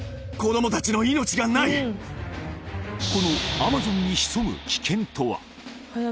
このアマゾンに潜む危険とは？